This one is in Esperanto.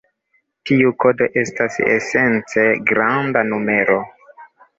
Tiu kodo estas esence granda numero.